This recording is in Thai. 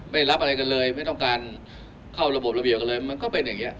ไม่รับอะไรกันเลยไม่ต้องการเข้าระบบระเบียบอะไรมันก็เป็นอย่างนี้